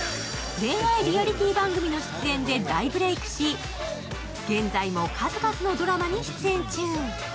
恋愛リアリティー番組の出演で大ブレークし、現在も数々のドラマに出演中。